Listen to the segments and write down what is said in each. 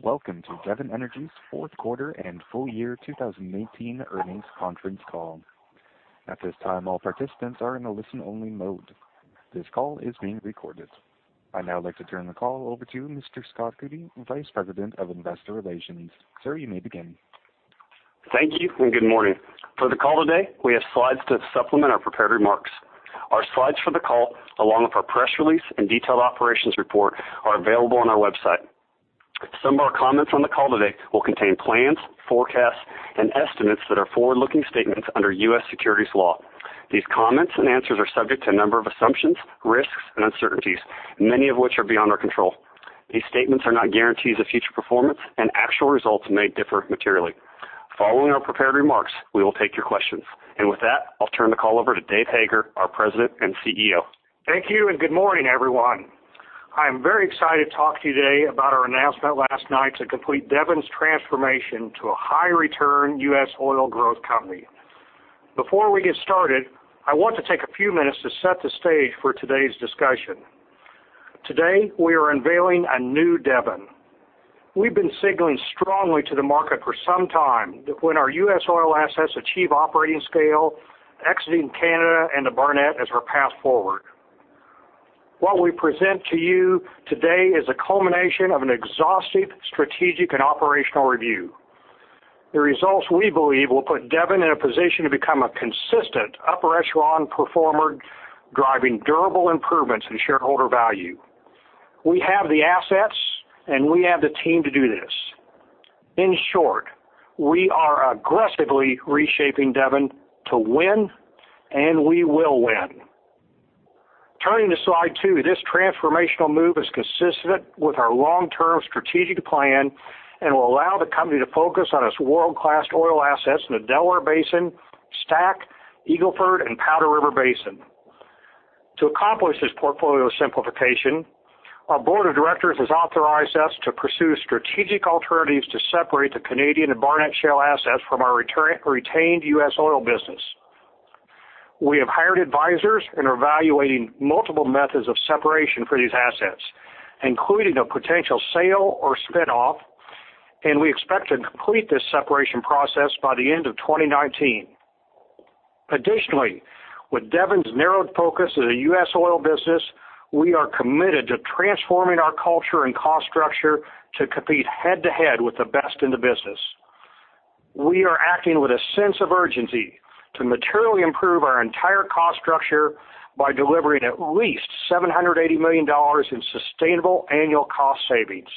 Welcome to Devon Energy's fourth quarter and full year 2018 earnings conference call. At this time, all participants are in a listen-only mode. This call is being recorded. I'd now like to turn the call over to Mr. Scott Petty, Vice President of Investor Relations. Sir, you may begin. Thank you, and good morning. For the call today, we have slides to supplement our prepared remarks. Our slides for the call, along with our press release and detailed operations report are available on our website. Some of our comments on the call today will contain plans, forecasts, and estimates that are forward-looking statements under U.S. securities law. These comments and answers are subject to a number of assumptions, risks, and uncertainties, many of which are beyond our control. These statements are not guarantees of future performance, and actual results may differ materially. Following our prepared remarks, we will take your questions. With that, I'll turn the call over to Dave Hager, our President and CEO. Thank you, and good morning, everyone. I am very excited to talk to you today about our announcement last night to complete Devon's transformation to a high-return U.S. oil growth company. Before we get started, I want to take a few minutes to set the stage for today's discussion. Today, we are unveiling a new Devon. We've been signaling strongly to the market for some time that when our U.S. oil assets achieve operating scale, exiting Canada and the Barnett is our path forward. What we present to you today is a culmination of an exhaustive strategic and operational review. The results, we believe, will put Devon in a position to become a consistent upper-echelon performer, driving durable improvements in shareholder value. We have the assets, and we have the team to do this. In short, we are aggressively reshaping Devon to win, and we will win. Turning to Slide 2, this transformational move is consistent with our long-term strategic plan and will allow the company to focus on its world-class oil assets in the Delaware Basin, STACK, Eagle Ford, and Powder River Basin. To accomplish this portfolio simplification, our board of directors has authorized us to pursue strategic alternatives to separate the Canadian and Barnett Shale assets from our retained U.S. oil business. We have hired advisors and are evaluating multiple methods of separation for these assets, including a potential sale or spin-off, and we expect to complete this separation process by the end of 2019. Additionally, with Devon's narrowed focus on the U.S. oil business, we are committed to transforming our culture and cost structure to compete head-to-head with the best in the business. We are acting with a sense of urgency to materially improve our entire cost structure by delivering at least $780 million in sustainable annual cost savings.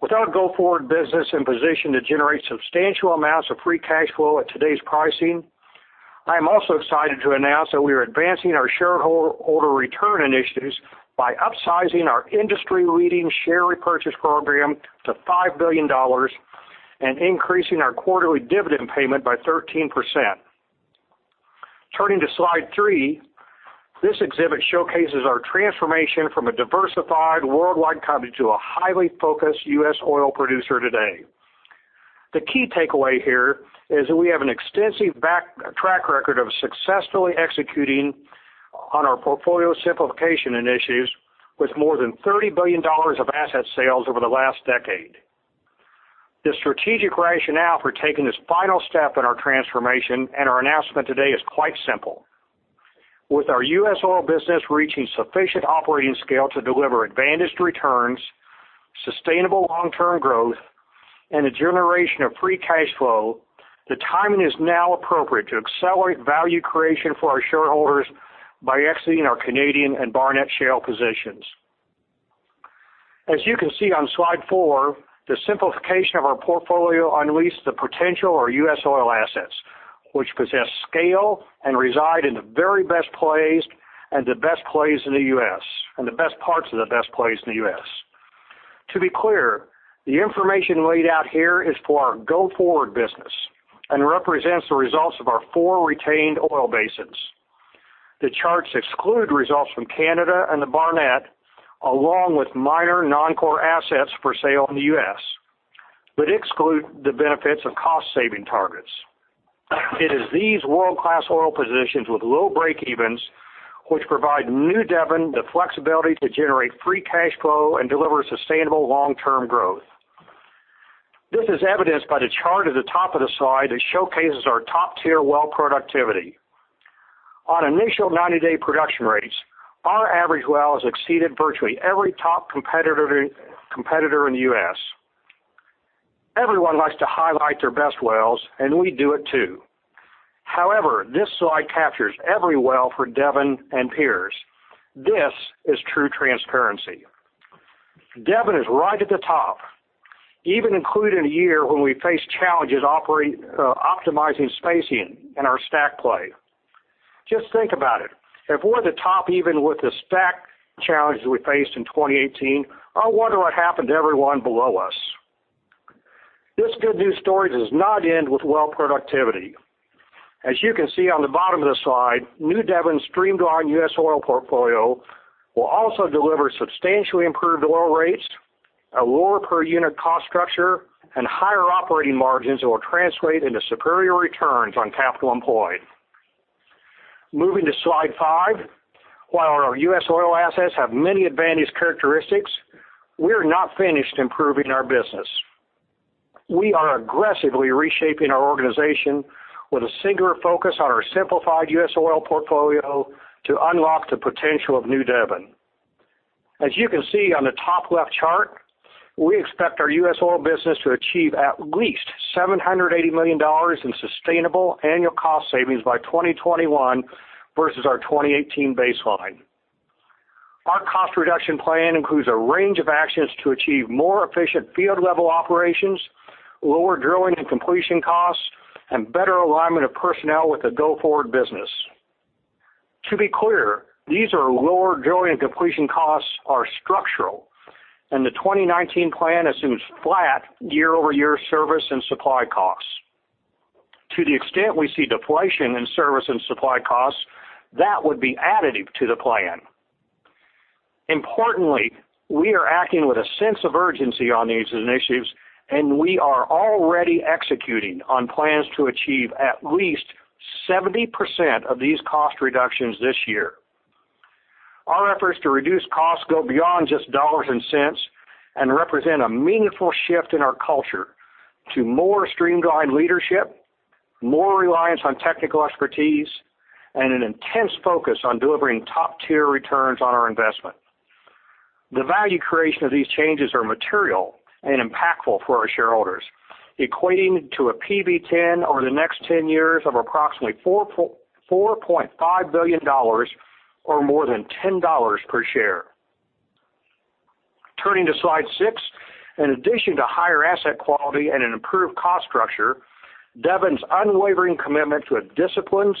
With our go-forward business in position to generate substantial amounts of free cash flow at today's pricing, I am also excited to announce that we are advancing our shareholder return initiatives by upsizing our industry-leading share repurchase program to $5 billion and increasing our quarterly dividend payment by 13%. Turning to Slide 3, this exhibit showcases our transformation from a diversified worldwide company to a highly focused U.S. oil producer today. The key takeaway here is that we have an extensive track record of successfully executing on our portfolio simplification initiatives with more than $30 billion of asset sales over the last decade. The strategic rationale for taking this final step in our transformation and our announcement today is quite simple. With our U.S. oil business reaching sufficient operating scale to deliver advantaged returns, sustainable long-term growth, and the generation of free cash flow, the timing is now appropriate to accelerate value creation for our shareholders by exiting our Canadian and Barnett Shale positions. As you can see on Slide 4, the simplification of our portfolio unleashed the potential of our U.S. oil assets, which possess scale and reside in the very best plays and the best parts of the best plays in the U.S. To be clear, the information laid out here is for our go-forward business and represents the results of our four retained oil basins. The charts exclude results from Canada and the Barnett, along with minor non-core assets for sale in the U.S., but exclude the benefits of cost-saving targets. It is these world-class oil positions with low breakevens, which provide new Devon the flexibility to generate free cash flow and deliver sustainable long-term growth. This is evidenced by the chart at the top of the slide that showcases our top-tier well productivity. On initial 90-day production rates, our average well has exceeded virtually every top competitor in the U.S. Everyone likes to highlight their best wells, and we do it too. However, this slide captures every well for Devon and peers. This is true transparency. Devon is right at the top, even including a year when we faced challenges optimizing spacing in our STACK play. Just think about it. If we're the top even with the STACK challenges we faced in 2018, I wonder what happened to everyone below us. This good news story does not end with well productivity. As you can see on the bottom of the slide, new Devon's streamlined U.S. oil portfolio will also deliver substantially improved oil rates, a lower per-unit cost structure, and higher operating margins that will translate into superior returns on capital employed. Moving to slide five. While our U.S. oil assets have many advantage characteristics, we are not finished improving our business. We are aggressively reshaping our organization with a singular focus on our simplified U.S. oil portfolio to unlock the potential of new Devon. As you can see on the top left chart, we expect our U.S. oil business to achieve at least $780 million in sustainable annual cost savings by 2021 versus our 2018 baseline. Our cost reduction plan includes a range of actions to achieve more efficient field level operations, lower drilling and completion costs, and better alignment of personnel with the go-forward business. To be clear, these are lower drilling and completion costs are structural, the 2019 plan assumes flat year-over-year service and supply costs. To the extent we see deflation in service and supply costs, that would be additive to the plan. Importantly, we are acting with a sense of urgency on these initiatives, we are already executing on plans to achieve at least 70% of these cost reductions this year. Our efforts to reduce costs go beyond just dollars and cents and represent a meaningful shift in our culture to more streamlined leadership, more reliance on technical expertise, and an intense focus on delivering top-tier returns on our investment. The value creation of these changes are material and impactful for our shareholders, equating to a PV-10 over the next 10 years of approximately $4.5 billion or more than $10 per share. Turning to slide six. In addition to higher asset quality and an improved cost structure, Devon's unwavering commitment to a disciplined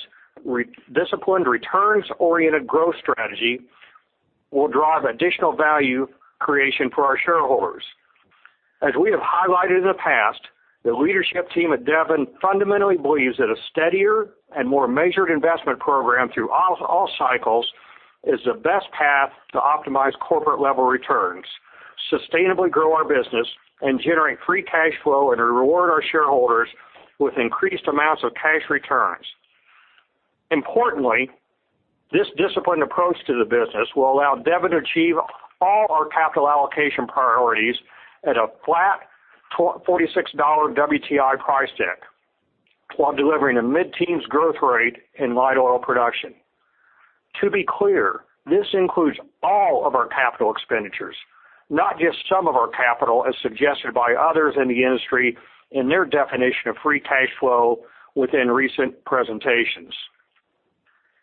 returns-oriented growth strategy will drive additional value creation for our shareholders. As we have highlighted in the past, the leadership team at Devon fundamentally believes that a steadier and more measured investment program through all cycles is the best path to optimize corporate-level returns, sustainably grow our business, and generate free cash flow and reward our shareholders with increased amounts of cash returns. Importantly, this disciplined approach to the business will allow Devon to achieve all our capital allocation priorities at a flat $46 WTI price deck while delivering a mid-teens growth rate in light oil production. To be clear, this includes all of our capital expenditures, not just some of our capital, as suggested by others in the industry in their definition of free cash flow within recent presentations.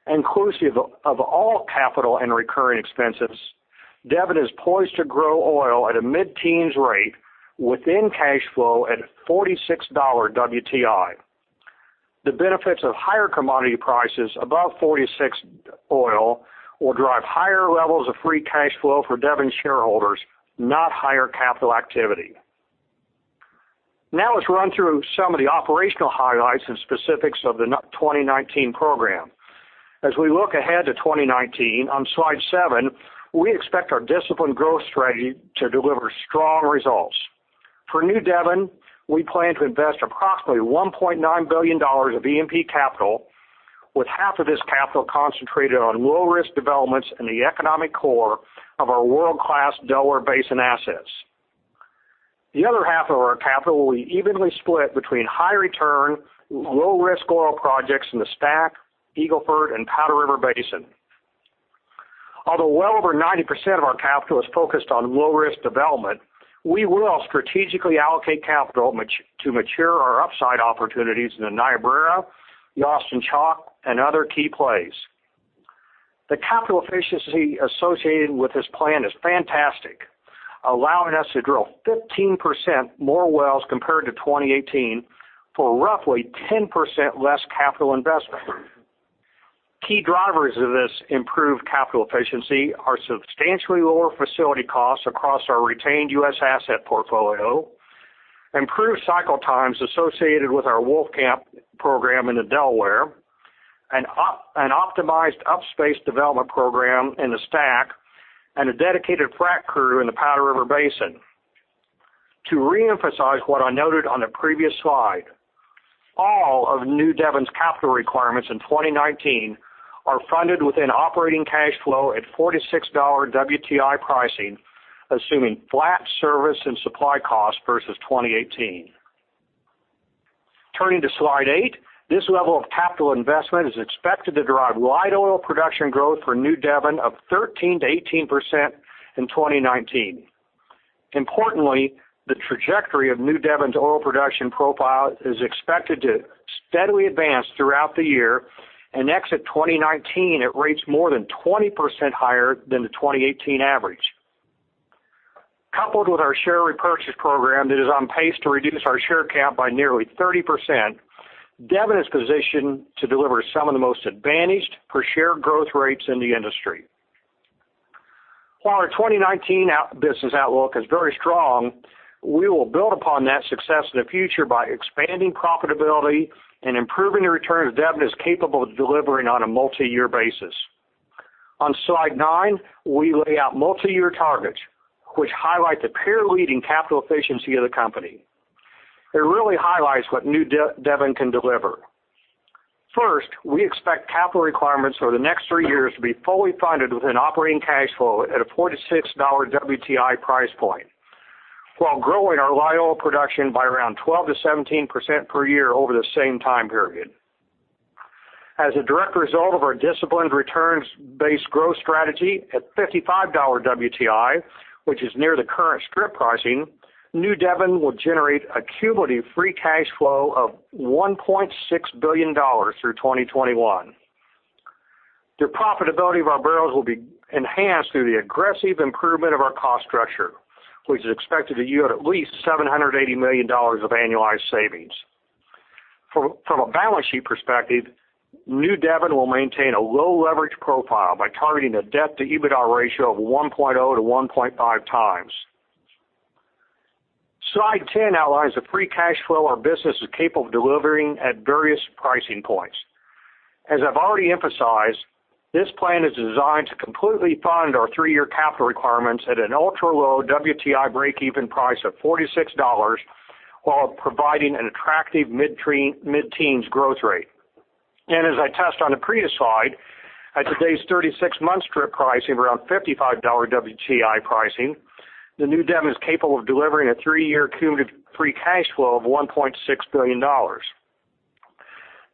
Inclusive of all capital and recurring expenses, Devon is poised to grow oil at a mid-teens rate within cash flow at $46 WTI. The benefits of higher commodity prices above $46 oil will drive higher levels of free cash flow for Devon shareholders, not higher capital activity. Let's run through some of the operational highlights and specifics of the 2019 program. As we look ahead to 2019, on slide seven, we expect our disciplined growth strategy to deliver strong results. For new Devon, we plan to invest approximately $1.9 billion of E&P capital, with half of this capital concentrated on low-risk developments in the economic core of our world-class Delaware Basin assets. The other half of our capital will be evenly split between high return, low risk oil projects in the STACK, Eagle Ford, and Powder River Basin. Well over 90% of our capital is focused on low-risk development, we will strategically allocate capital to mature our upside opportunities in the Niobrara, Austin Chalk, and other key plays. The capital efficiency associated with this plan is fantastic, allowing us to drill 15% more wells compared to 2018 for roughly 10% less capital investment. Key drivers of this improved capital efficiency are substantially lower facility costs across our retained U.S. asset portfolio, improved cycle times associated with our Wolfcamp program in the Delaware, an optimized upspace development program in the STACK, a dedicated frack crew in the Powder River Basin. To reemphasize what I noted on the previous slide, all of new Devon's capital requirements in 2019 are funded within operating cash flow at $46 WTI pricing, assuming flat service and supply costs versus 2018. Turning to slide eight. This level of capital investment is expected to drive light oil production growth for New Devon of 13%-18% in 2019. The trajectory of New Devon's oil production profile is expected to steadily advance throughout the year and exit 2019 at rates more than 20% higher than the 2018 average. Coupled with our share repurchase program that is on pace to reduce our share count by nearly 30%, Devon is positioned to deliver some of the most advantaged per share growth rates in the industry. Our 2019 business outlook is very strong, we will build upon that success in the future by expanding profitability and improving the return that Devon is capable of delivering on a multi-year basis. On Slide nine, we lay out multi-year targets, which highlight the peer-leading capital efficiency of the company. It really highlights what New Devon can deliver. We expect capital requirements for the next three years to be fully funded with an operating cash flow at a $46 WTI price point, while growing our light oil production by around 12%-17% per year over the same time period. A direct result of our disciplined returns-based growth strategy at $55 WTI, which is near the current strip pricing, New Devon will generate a cumulative free cash flow of $1.6 billion through 2021. The profitability of our barrels will be enhanced through the aggressive improvement of our cost structure, which is expected to yield at least $780 million of annualized savings. From a balance sheet perspective, New Devon will maintain a low leverage profile by targeting a debt-to-EBITDA ratio of 1.0-1.5 times. Slide 10 outlines the free cash flow our business is capable of delivering at various pricing points. I've already emphasized, this plan is designed to completely fund our three-year capital requirements at an ultra-low WTI breakeven price of $46, while providing an attractive mid-teens growth rate. As I touched on the previous slide, at today's 36-month strip pricing around $55 WTI pricing, the New Devon is capable of delivering a three-year cumulative free cash flow of $1.6 billion.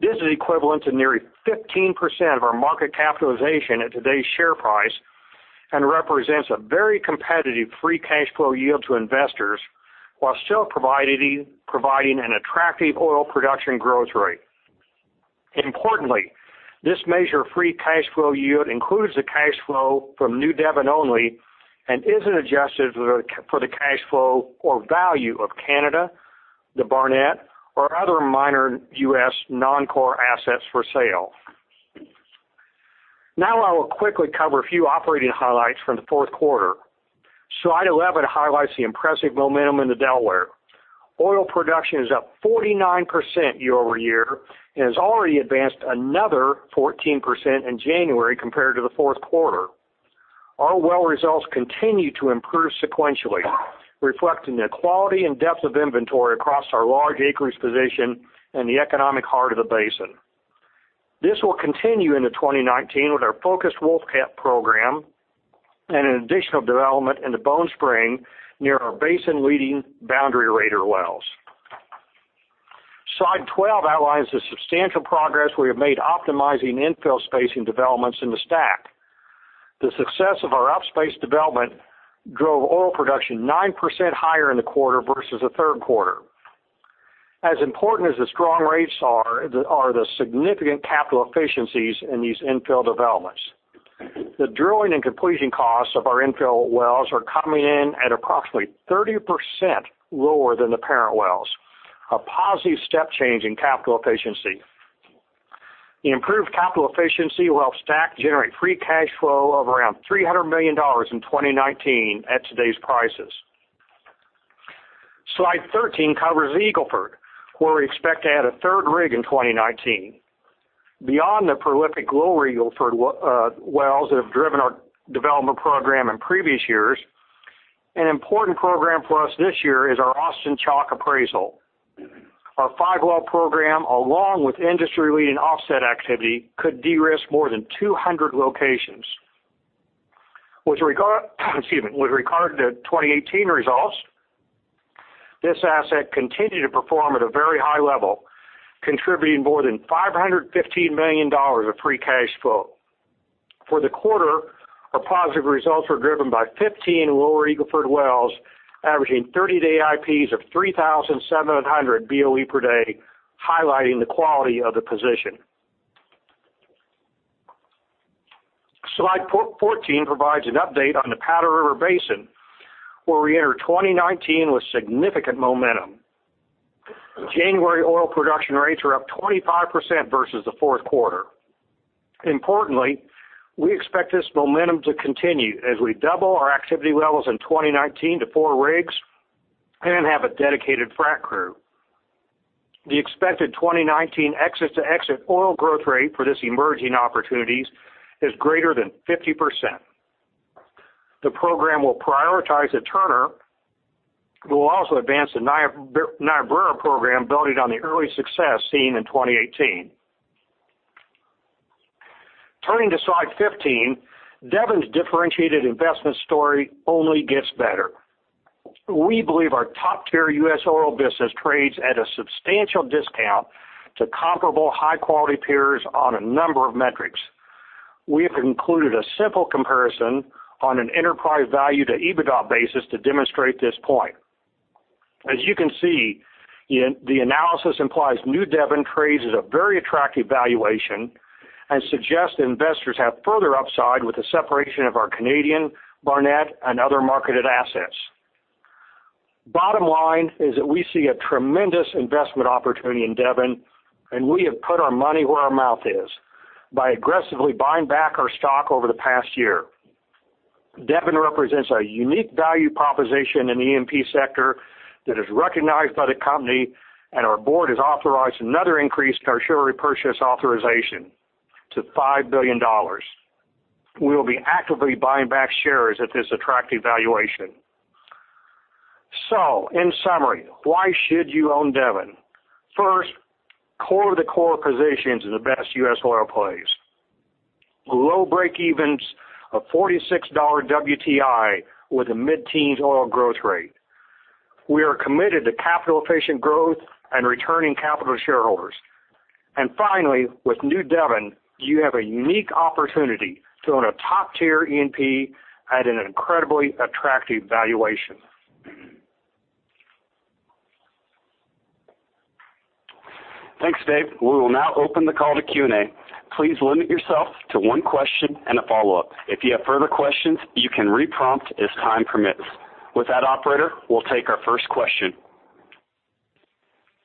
This is equivalent to nearly 15% of our market capitalization at today's share price, represents a very competitive free cash flow yield to investors, while still providing an attractive oil production growth rate. This measure of free cash flow yield includes the cash flow from New Devon only and isn't adjusted for the cash flow or value of Canada, the Barnett, or other minor U.S. non-core assets for sale. I will quickly cover a few operating highlights from the fourth quarter. Slide 11 highlights the impressive momentum in the Delaware. Oil production is up 49% year-over-year and has already advanced another 14% in January compared to the fourth quarter. Our well results continue to improve sequentially, reflecting the quality and depth of inventory across our large acreage position in the economic heart of the basin. This will continue into 2019 with our focused Wolfcamp program and an additional development into Bone Spring, near our basin-leading Boundary Raider wells. Slide 12 outlines the substantial progress we have made optimizing infill spacing developments in the STACK. The success of our outspace development drove oil production 9% higher in the quarter versus the third quarter. Important as the strong rates are the significant capital efficiencies in these infill developments. The drilling and completion costs of our infill wells are coming in at approximately 30% lower than the parent wells, a positive step change in capital efficiency. The improved capital efficiency will help STACK generate free cash flow of around $300 million in 2019 at today's prices. Slide 13 covers the Eagle Ford, where we expect to add a third rig in 2019. Beyond the prolific Lower Eagle Ford wells that have driven our development program in previous years, an important program for us this year is our Austin Chalk appraisal. Our five-well program, along with industry-leading offset activity, could de-risk more than 200 locations. With regard to 2018 results, this asset continued to perform at a very high level, contributing more than $515 million of free cash flow. For the quarter, our positive results were driven by 15 Lower Eagle Ford wells, averaging 30-day IPs of 3,700 BOE per day, highlighting the quality of the position. Slide 14 provides an update on the Powder River Basin, where we enter 2019 with significant momentum. January oil production rates are up 25% versus the fourth quarter. Importantly, we expect this momentum to continue as we double our activity levels in 2019 to four rigs and have a dedicated frack crew. The expected 2019 exit-to-exit oil growth rate for this emerging opportunities is greater than 50%. The program will prioritize the Turner. We will also advance the Niobrara program, building on the early success seen in 2018. Turning to Slide 15, Devon's differentiated investment story only gets better. We believe our top-tier U.S. oil business trades at a substantial discount to comparable high-quality peers on a number of metrics. We have included a simple comparison on an enterprise value to EBITDA basis to demonstrate this point. As you can see, the analysis implies New Devon trades at a very attractive valuation and suggests investors have further upside with the separation of our Canadian, Barnett, and other marketed assets. Bottom line is that we see a tremendous investment opportunity in Devon, and we have put our money where our mouth is by aggressively buying back our stock over the past year. Devon represents a unique value proposition in the E&P sector that is recognized by the company, and our board has authorized another increase to our share repurchase authorization to $5 billion. We will be actively buying back shares at this attractive valuation. In summary, why should you own Devon? First, core-of-the-core positions in the best U.S. oil plays. Low breakevens of $46 WTI with a mid-teens oil growth rate. We are committed to capital-efficient growth and returning capital to shareholders. Finally, with new Devon, you have a unique opportunity to own a top-tier E&P at an incredibly attractive valuation. Thanks, Dave. We will now open the call to Q&A. Please limit yourself to one question and a follow-up. If you have further questions, you can re-prompt as time permits. With that, operator, we will take our first question.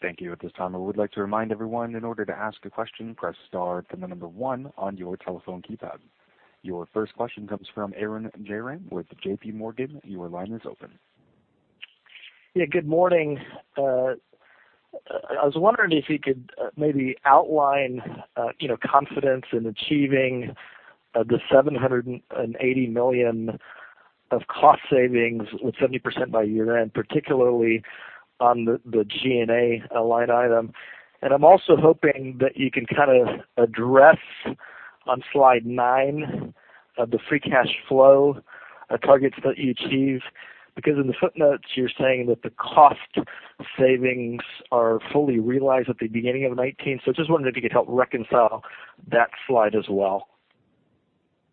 Thank you. At this time, I would like to remind everyone, in order to ask a question, press star, pound, number 1 on your telephone keypad. Your first question comes from Arun Jayaram with JPMorgan. Your line is open. Yeah, good morning. I was wondering if you could maybe outline confidence in achieving the $780 million of cost savings with 70% by year-end, particularly on the G&A line item. I am also hoping that you can kind of address on slide nine, the free cash flow targets that you achieve. In the footnotes, you are saying that the cost savings are fully realized at the beginning of 2019. Just wondering if you could help reconcile that slide as well.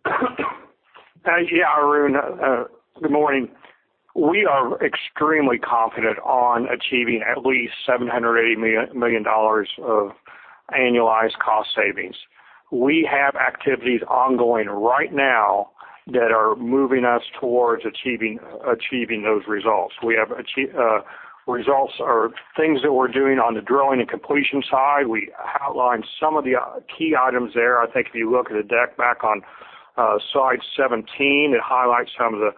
Yeah, Arun, good morning. We are extremely confident on achieving at least $780 million of annualized cost savings. We have activities ongoing right now that are moving us towards achieving those results. We have things that we are doing on the drilling and completion side. We outlined some of the key items there. I think if you look at the deck back on slide 17, it highlights some of the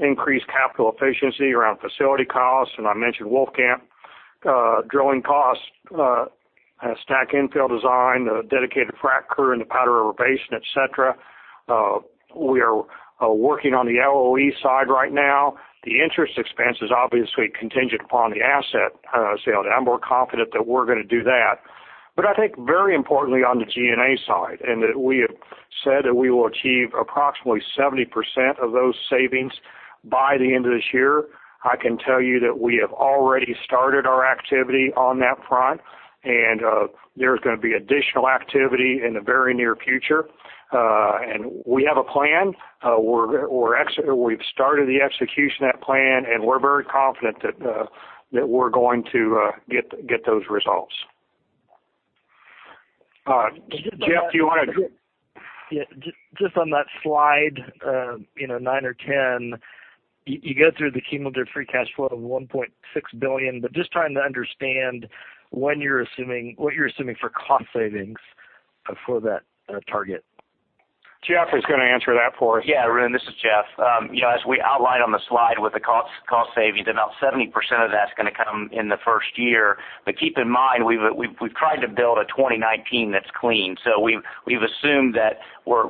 increased capital efficiency around facility costs. I mentioned Wolfcamp drilling costs, stack infill design, the dedicated frack crew in the Powder River Basin, et cetera. We are working on the LOE side right now. The interest expense is obviously contingent upon the asset sale. I am more confident that we are going to do that. I think very importantly on the G&A side, that we have said that we will achieve approximately 70% of those savings by the end of this year. I can tell you that we have already started our activity on that front, and there's going to be additional activity in the very near future. We have a plan. We've started the execution of that plan, and we're very confident that we're going to get those results. Jeff, do you want to- Yeah. Just on that slide nine or 10, you go through the cumulative free cash flow of $1.6 billion, trying to understand what you're assuming for cost savings for that target. Jeff is going to answer that for us. Yeah, Arun, this is Jeff. As we outlined on the slide with the cost savings, about 70% of that's going to come in the first year. Keep in mind, we've tried to build a 2019 that's clean. We've assumed that we're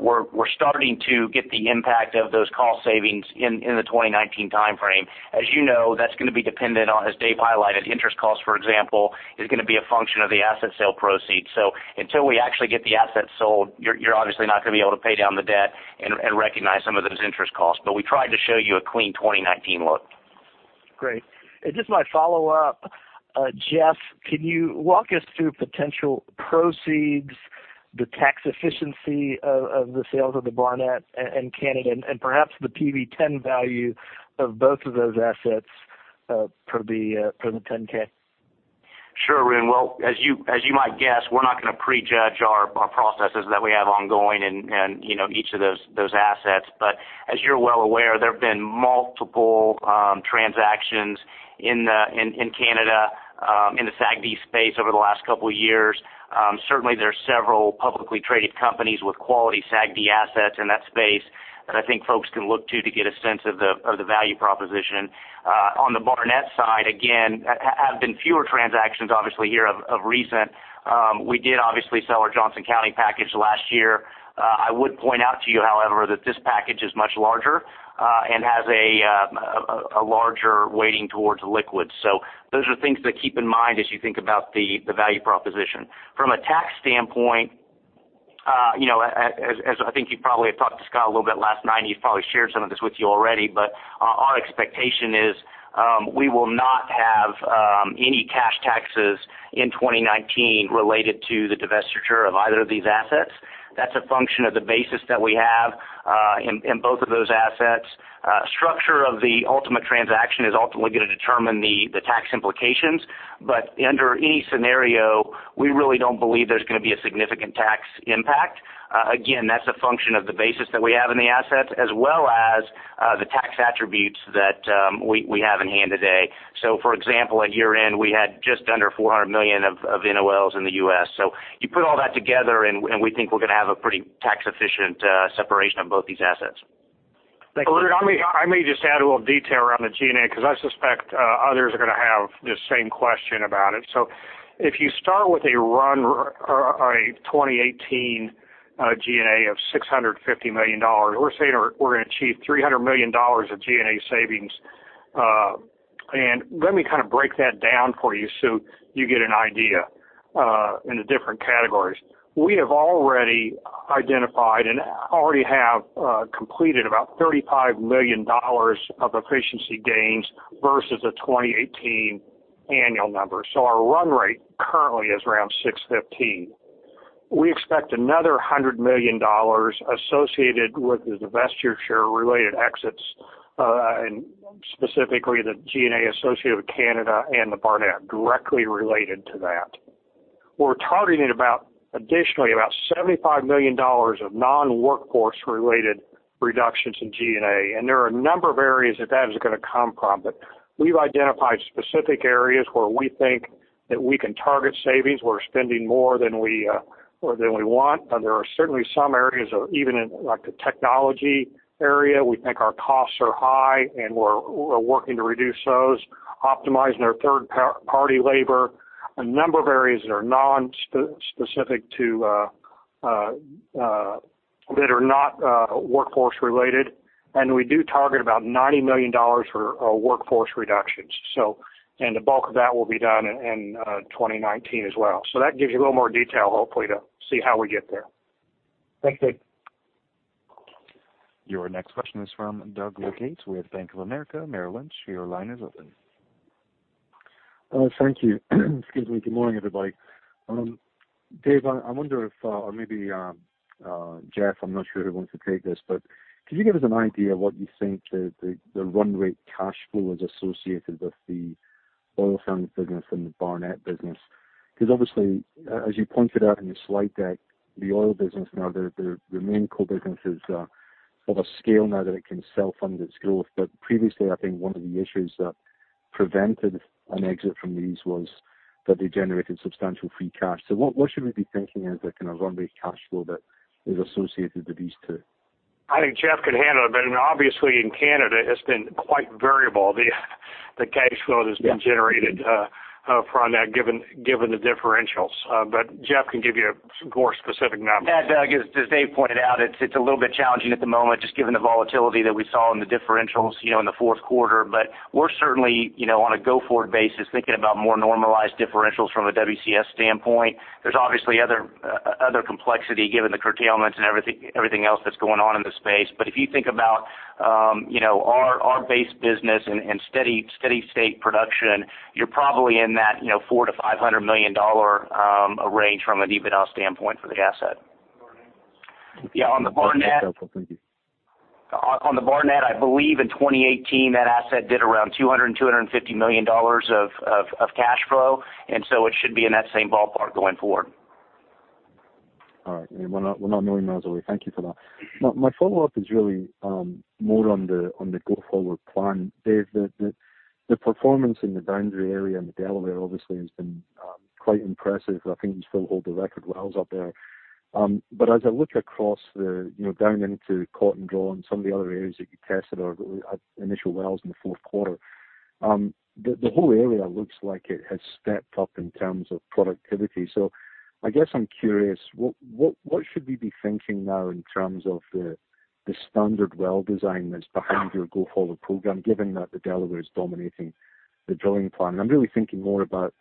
starting to get the impact of those cost savings in the 2019 timeframe. As you know, that's going to be dependent on, as Dave highlighted, interest costs, for example, is going to be a function of the asset sale proceeds. Until we actually get the assets sold, you're obviously not going to be able to pay down the debt and recognize some of those interest costs. We tried to show you a clean 2019 look. Just my follow-up, Jeff, can you walk us through potential proceeds, the tax efficiency of the sales of the Barnett and Canada, and perhaps the PV-10 value of both of those assets for the 10-K? Sure, Arun. Well, as you might guess, we're not going to prejudge our processes that we have ongoing in each of those assets. As you're well aware, there have been multiple transactions in Canada, in the SAGD space over the last couple of years. Certainly, there are several publicly traded companies with quality SAGD assets in that space that I think folks can look to get a sense of the value proposition. On the Barnett side, again, have been fewer transactions, obviously, here of recent. We did obviously sell our Johnson County package last year. I would point out to you, however, that this package is much larger and has a larger weighting towards liquids. Those are things to keep in mind as you think about the value proposition. From a tax standpoint, as I think you probably have talked to Scott a little bit last night, and he's probably shared some of this with you already, our expectation is we will not have any cash taxes in 2019 related to the divestiture of either of these assets. That's a function of the basis that we have in both of those assets. Structure of the ultimate transaction is ultimately going to determine the tax implications. Under any scenario, we really don't believe there's going to be a significant tax impact. Again, that's a function of the basis that we have in the assets, as well as the tax attributes that we have in hand today. For example, at year-end, we had just under $400 million of NOLs in the U.S. You put all that together, and we think we're going to have a pretty tax-efficient separation of both these assets. Arun, I may just add a little detail around the G&A, because I suspect others are going to have the same question about it. If you start with a 2018 G&A of $650 million, we're saying we're going to achieve $300 million of G&A savings. Let me kind of break that down for you so you get an idea in the different categories. We have already identified and already have completed about $35 million of efficiency gains versus the 2018 annual number. Our run rate currently is around $615 million. We expect another $100 million associated with the divestiture related exits, and specifically the G&A associated with Canada and the Barnett directly related to that. We're targeting additionally about $75 million of non-workforce related reductions in G&A, and there are a number of areas that is going to come from. We've identified specific areas where we think that we can target savings. We're spending more than we want, and there are certainly some areas of even in like the technology area, we think our costs are high, and we're working to reduce those, optimizing our third-party labor. A number of areas that are not workforce related. We do target about $90 million for our workforce reductions. The bulk of that will be done in 2019 as well. That gives you a little more detail hopefully to see how we get there. Thank you. Your next question is from Doug Leggate with Bank of America Merrill Lynch. Your line is open. Thank you. Excuse me. Good morning, everybody. Dave, I wonder if or maybe Jeff, I'm not sure who wants to take this, but could you give us an idea what you think the run rate cash flow is associated with the oil sands business and the Barnett business? Obviously, as you pointed out in your slide deck, the oil business now, the main core business is of a scale now that it can self-fund its growth. Previously, I think one of the issues that prevented an exit from these was that they generated substantial free cash. What should we be thinking as a kind of run rate cash flow that is associated with these two? I think Jeff can handle it. Obviously in Canada, it's been quite variable, the cash flow that's been generated from that given the differentials. Jeff can give you more specific numbers. Yeah. Doug, as Dave pointed out, it's a little bit challenging at the moment just given the volatility that we saw in the fourth quarter. We're certainly, on a go-forward basis, thinking about more normalized differentials from a WCS standpoint. There's obviously other complexity given the curtailments and everything else that's going on in the space. If you think about our base business and steady state production, you're probably in that $400 million-$500 million range from an EBITDA standpoint for the asset. Barnett. Yeah, on the Barnett. Thank you. On the Barnett, I believe in 2018, that asset did around $200 million-$250 million of cash flow. It should be in that same ballpark going forward. All right. We're not a million miles away. Thank you for that. My follow-up is really more on the go forward plan. Dave, the performance in the Danbury area and the Delaware obviously has been quite impressive. I think you still hold the record wells up there. As I look across down into Cotton Draw and some of the other areas that you tested or initial wells in the fourth quarter, the whole area looks like it has stepped up in terms of productivity. I guess I'm curious, what should we be thinking now in terms of the standard well design that's behind your go forward program, given that the Delaware is dominating the drilling plan? I'm really thinking more about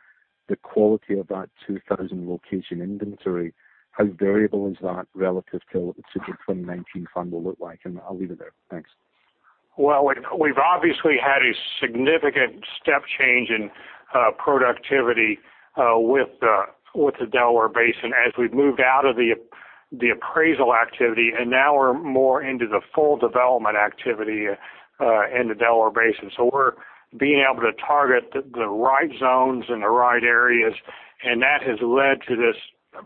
the quality of that 2,000 location inventory. How variable is that relative to what the 2019 fund will look like? I'll leave it there. Thanks. Well, we've obviously had a significant step change in productivity with the Delaware Basin as we've moved out of the appraisal activity, now we're more into the full development activity in the Delaware Basin. We're being able to target the right zones in the right areas, that has led to this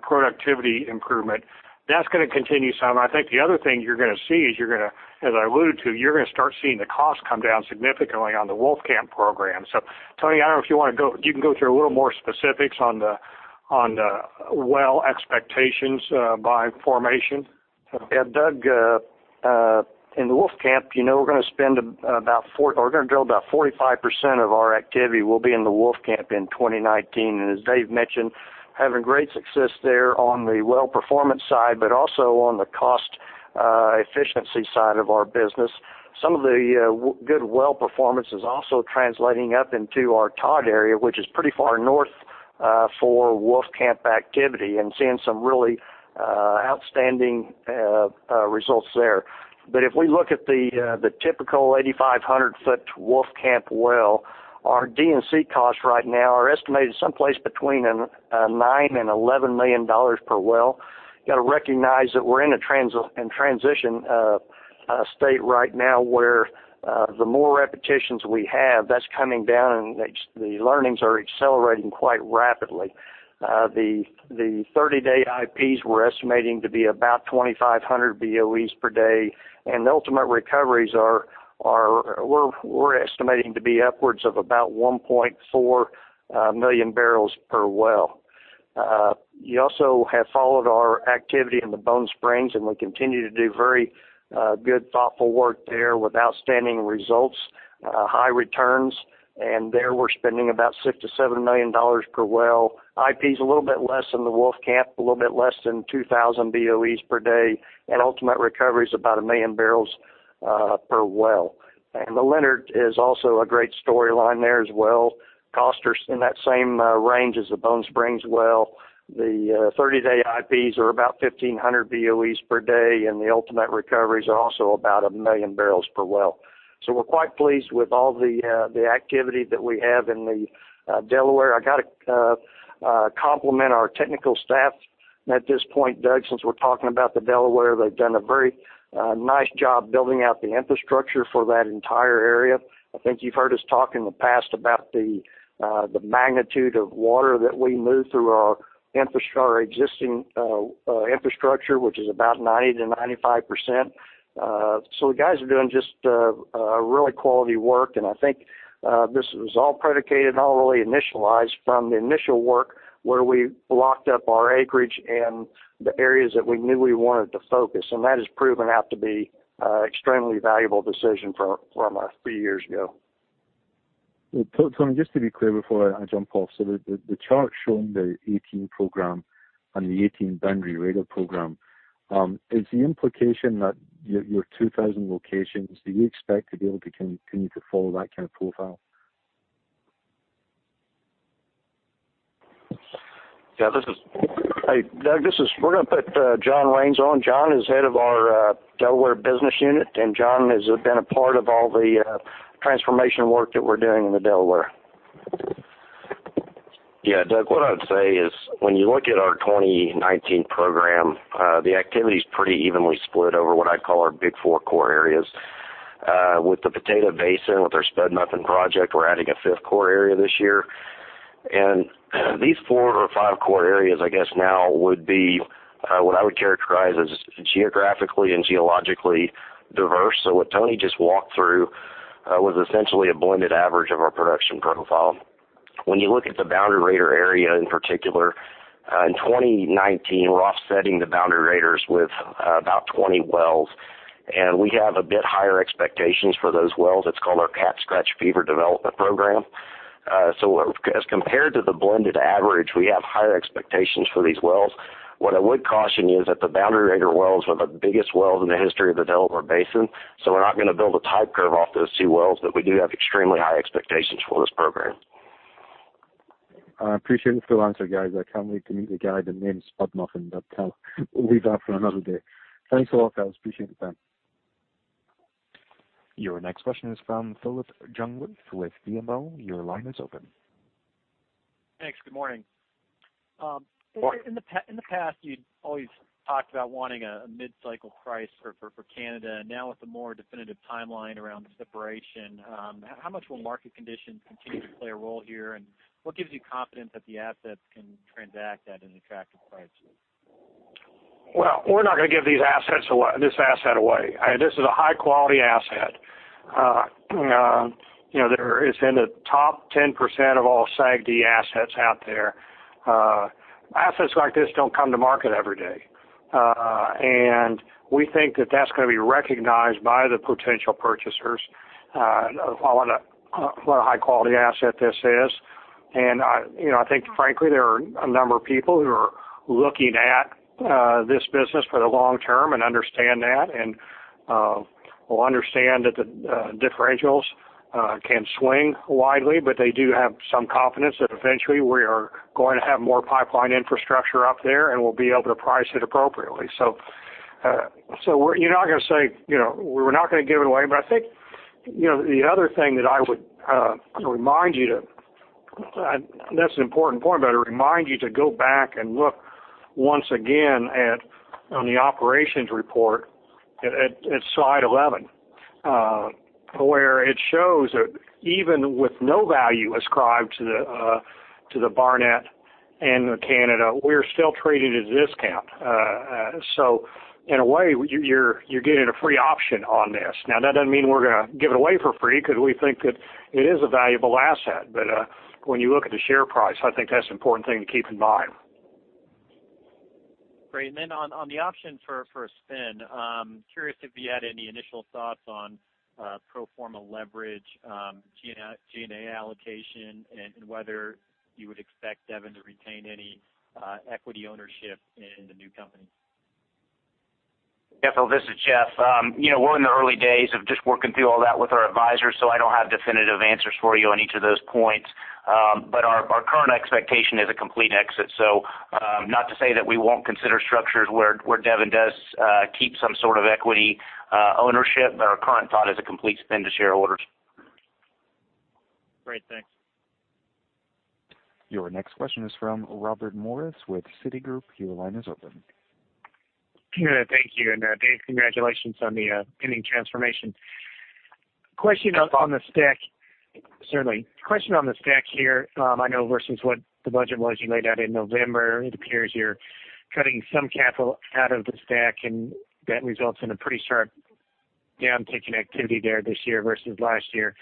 productivity improvement. That's going to continue, Doug. I think the other thing you're going to see is, as I alluded to, you're going to start seeing the cost come down significantly on the Wolfcamp program. Tony, you can go through a little more specifics on the well expectations by formation. Yeah. Doug, in the Wolfcamp, we're going to drill about 45% of our activity will be in the Wolfcamp in 2019. As Dave mentioned, having great success there on the well performance side, but also on the cost efficiency side of our business. Some of the good well performance is also translating up into our Todd area, which is pretty far north for Wolfcamp activity, and seeing some really outstanding results there. If we look at the typical 8,500 foot Wolfcamp well, our D&C costs right now are estimated someplace between $9 million and $11 million per well. You got to recognize that we're in a transition state right now where the more repetitions we have, that's coming down, and the learnings are accelerating quite rapidly. The 30-day IPs we're estimating to be about 2,500 BOEs per day, and the ultimate recoveries we're estimating to be upwards of about 1.4 million barrels per well. We also have followed our activity in the Bone Spring, and we continue to do very good thoughtful work there with outstanding results, high returns. There we're spending about $6 million to $7 million per well. IP is a little bit less than the Wolfcamp, a little bit less than 2,000 BOEs per day, and ultimate recovery is about 1 million barrels per well. The Leonard is also a great storyline there as well. Costs are in that same range as the Bone Spring well. The 30-day IPs are about 1,500 BOEs per day, and the ultimate recoveries are also about 1 million barrels per well. We're quite pleased with all the activity that we have in the Delaware. I got to compliment our technical staff at this point, Doug, since we're talking about the Delaware. They've done a very nice job building out the infrastructure for that entire area. I think you've heard us talk in the past about the magnitude of water that we move through our existing infrastructure, which is about 90%-95%. The guys are doing just really quality work, and I think this was all predicated and all really initialized from the initial work where we locked up our acreage and the areas that we knew we wanted to focus. That has proven out to be extremely valuable decision from a few years ago. Tony, just to be clear before I jump off. The chart showing the 2018 program and the 2018 Boundary Raider program, is the implication that your 2,000 locations, do you expect to be able to continue to follow that kind of profile? Doug, we're going to put John Raines on. John is head of our Delaware Business Unit. John has been a part of all the transformation work that we're doing in the Delaware. Yeah, Doug, what I would say is, when you look at our 2019 program, the activity's pretty evenly split over what I'd call our big four core areas. With the Powder River Basin, with our Spud Muffin project, we're adding a fifth core area this year. These four or five core areas, I guess now would be what I would characterize as geographically and geologically diverse. What Tony just walked through was essentially a blended average of our production profile. When you look at the Boundary Raider area in particular, in 2019, we're offsetting the Boundary Raiders with about 20 wells. We have a bit higher expectations for those wells. It's called our Cat Scratch Fever development program. As compared to the blended average, we have higher expectations for these wells. What I would caution you is that the Boundary Raider wells were the biggest wells in the history of the Delaware Basin. We're not going to build a type curve off those two wells. We do have extremely high expectations for this program. I appreciate the full answer, guys. I can't wait to meet the guy the name Spud Muffin. We'll leave that for another day. Thanks a lot, guys. Appreciate the time. Your next question is from Phillip Jungwirth with BMO. Your line is open. Thanks. Good morning. Good morning. In the past, you'd always talked about wanting a mid-cycle price for Canada. Now, with the more definitive timeline around the separation, how much will market conditions continue to play a role here, and what gives you confidence that the assets can transact at an attractive price? Well, we're not going to give this asset away. This is a high-quality asset. It's in the top 10% of all SAGD assets out there. Assets like this don't come to market every day. We think that that's going to be recognized by the potential purchasers, what a high-quality asset this is. I think frankly, there are a number of people who are looking at this business for the long term and understand that, and will understand that the differentials can swing widely, but they do have some confidence that eventually we are going to have more pipeline infrastructure up there, and we'll be able to price it appropriately. We're not going to give it away, I think the other thing that I would remind you to, that's an important point, remind you to go back and look once again on the operations report at slide 11, where it shows that even with no value ascribed to the Barnett and Canada, we're still trading at a discount. In a way, you're getting a free option on this. Now, that doesn't mean we're going to give it away for free because we think that it is a valuable asset. When you look at the share price, I think that's an important thing to keep in mind. Great. Then on the option for a spin, curious if you had any initial thoughts on pro forma leverage, G&A allocation, and whether you would expect Devon to retain any equity ownership in the new company. Yeah. Phil, this is Jeff. We're in the early days of just working through all that with our advisors, I don't have definitive answers for you on each of those points. Our current expectation is a complete exit. Not to say that we won't consider structures where Devon does keep some sort of equity ownership, our current thought is a complete spin to shareholders. Great. Thanks. Your next question is from Bob Morris with Citigroup. Your line is open. Thank you. Dave, congratulations on the pending transformation. Certainly. Question on the STACK here. I know versus what the budget was you laid out in November, it appears you're cutting some capital out of the STACK, and that results in a pretty sharp downtick in activity there this year versus last year.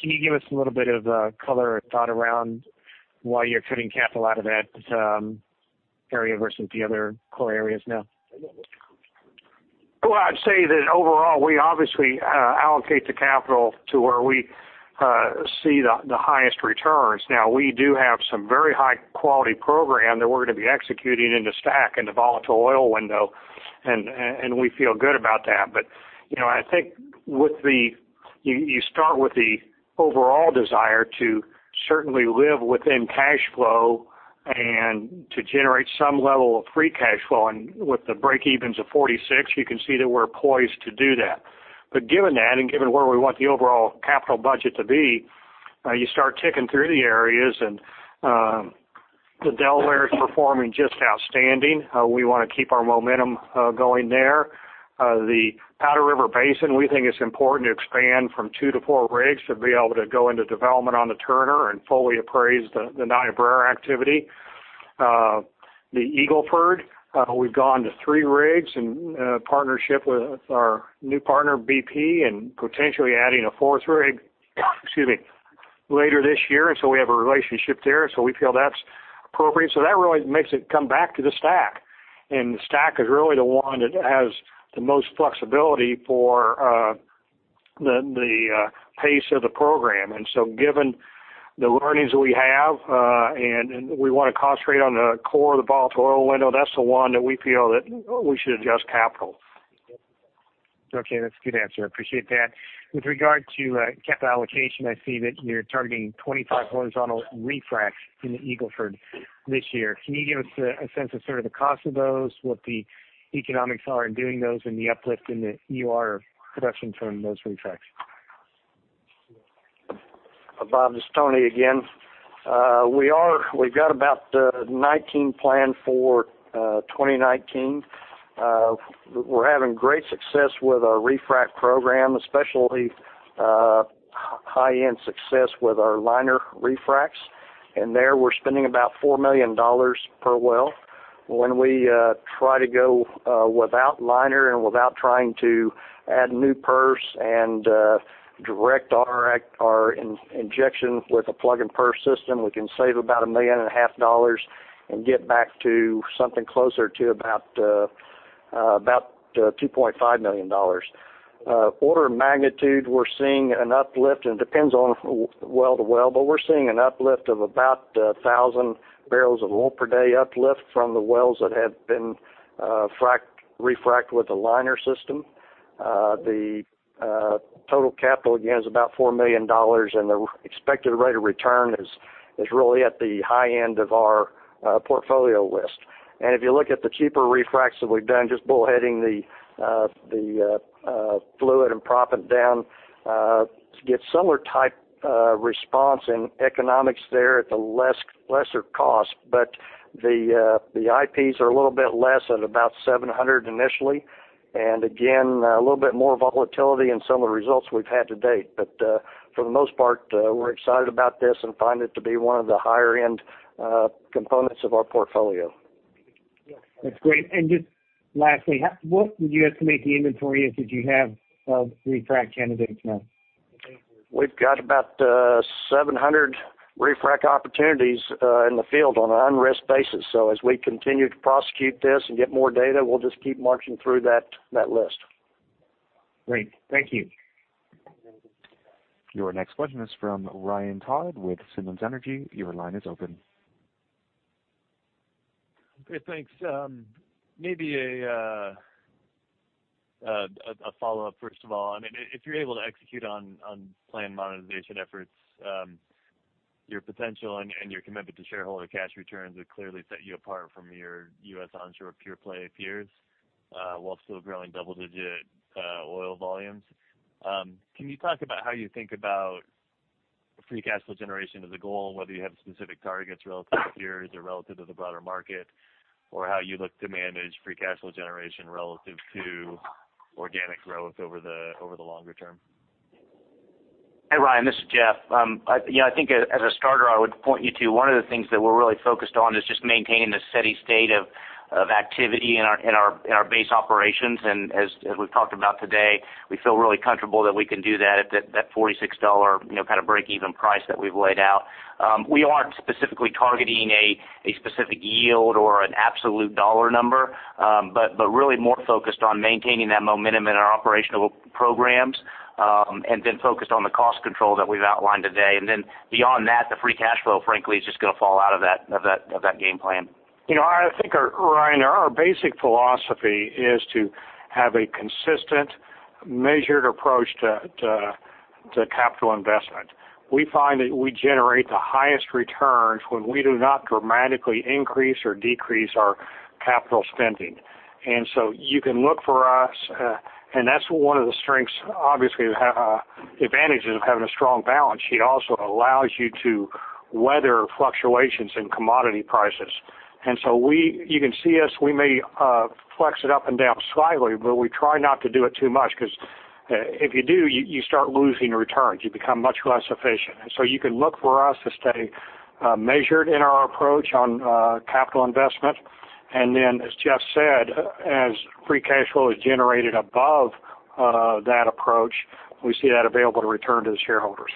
Can you give us a little bit of color or thought around why you're cutting capital out of that area versus the other core areas now? Well, I'd say that overall, we obviously allocate the capital to where we see the highest returns. Now, we do have some very high-quality program that we're going to be executing in the STACK and the Volatile Oil Window, and we feel good about that. I think you start with the overall desire to certainly live within cash flow and to generate some level of free cash flow. With the breakevens of 46, you can see that we're poised to do that. Given that, and given where we want the overall capital budget to be, you start ticking through the areas, and the Delaware is performing just outstanding. We want to keep our momentum going there. The Powder River Basin, we think it's important to expand from two to four rigs to be able to go into development on the Turner and fully appraise the Niobrara activity. The Eagle Ford, we've gone to three rigs in partnership with our new partner, BP, and potentially adding a fourth rig later this year. We have a relationship there, so we feel that's appropriate. That really makes it come back to the STACK, and the STACK is really the one that has the most flexibility for the pace of the program. Given the learnings we have, and we want to concentrate on the core of the Volatile Oil Window, that's the one that we feel that we should adjust capital. Okay, that's a good answer. I appreciate that. With regard to capital allocation, I see that you're targeting 25 horizontal refracs in the Eagle Ford this year. Can you give us a sense of sort of the cost of those, what the economics are in doing those, and the uplift in the EUR production from those refracs? Bob, this is Tony again. We've got about 19 planned for 2019. We're having great success with our refrac program, especially high-end success with our liner refracs. In there, we're spending about $4 million per well. When we try to go without liner and without trying to add new purse and direct our injection with a plug and perf system, we can save about a million and a half dollars and get back to something closer to about $2.5 million. Order of magnitude, we're seeing an uplift, and it depends on well to well, but we're seeing an uplift of about 1,000 barrels of oil per day uplift from the wells that have been refrac'd with the liner system. The total capital, again, is about $4 million, and the expected rate of return is really at the high end of our portfolio list. If you look at the cheaper refracs that we've done, just bullheading the fluid and proppant down to get similar type response and economics there at the lesser cost. The IPs are a little bit less at about 700 initially. Again, a little bit more volatility in some of the results we've had to date. For the most part, we're excited about this and find it to be one of the higher-end components of our portfolio. Just lastly, what would you estimate the inventory is that you have of refrac candidates now? We've got about 700 refrac opportunities in the field on an unrisked basis. As we continue to prosecute this and get more data, we'll just keep marching through that list. Great. Thank you. Your next question is from Ryan Todd with Simmons Energy. Your line is open. Great. Thanks. Maybe a follow-up first of all. If you're able to execute on planned monetization efforts, your potential and your commitment to shareholder cash returns would clearly set you apart from your U.S. onshore pure-play peers while still growing double-digit oil volumes. Can you talk about how you think about free cash flow generation as a goal, and whether you have specific targets relative to peers or relative to the broader market, or how you look to manage free cash flow generation relative to organic growth over the longer term? Hey, Ryan, this is Jeff. I think as a starter, I would point you to one of the things that we're really focused on is just maintaining the steady state of activity in our base operations. As we've talked about today, we feel really comfortable that we can do that at that $46 kind of breakeven price that we've laid out. We aren't specifically targeting a specific yield or an absolute dollar number. Really more focused on maintaining that momentum in our operational programs, then focused on the cost control that we've outlined today. Then beyond that, the free cash flow, frankly, is just going to fall out of that game plan. I think, Ryan, our basic philosophy is to have a consistent, measured approach to capital investment. We find that we generate the highest returns when we do not dramatically increase or decrease our capital spending. That's one of the strengths, obviously, advantages of having a strong balance sheet also allows you to weather fluctuations in commodity prices. You can see us, we may flex it up and down slightly, but we try not to do it too much because if you do, you start losing returns. You become much less efficient. You can look for us to stay measured in our approach on capital investment. Then, as Jeff said, as free cash flow is generated above that approach, we see that available to return to the shareholders.